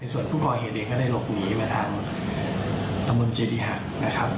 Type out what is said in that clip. ส่วนผู้ก่อเหตุเองก็ได้หลบหนีมาทางตำบลเจดีหักนะครับ